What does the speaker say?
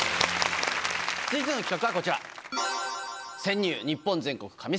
続いての企画はこちら。